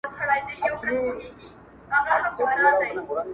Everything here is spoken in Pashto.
د دومره مینه والو راتګ